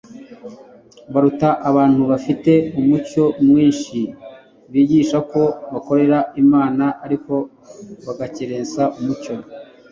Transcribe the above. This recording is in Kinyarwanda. baruta abantu bafite umucyo mwinshi, bigisha ko bakorera Imana ariko bagakerensa umucyo,